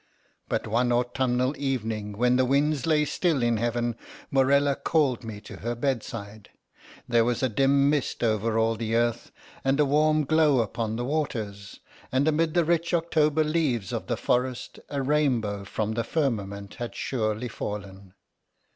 But one autumnal evening, when the winds lay still in heaven, Morella called me to her bedside. There was a dim mist over all the earth, and a warm glow upon the waters, and amid the rich October leaves of the forest, a rainbow from the firmament had surely fallen.